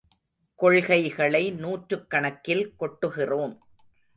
கொள்கைகளை நூற்றுக்கணக்கில் கொட்டுகிறோம்.